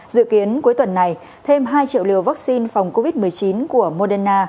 dự kiến cuối tuần này thêm hai triệu liều vaccine phòng covid một mươi chín của moderna